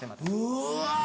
うわ。